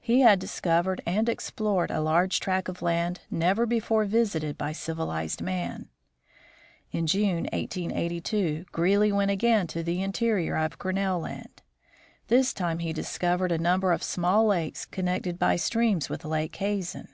He had discovered and explored a large tract of land never before visited by civilized men. In June, 1882, Greely went again to the interior of Grinnell land. This time he discovered a number of small lakes, connected by streams with Lake Hazen.